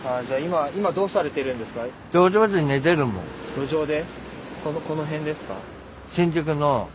路上で？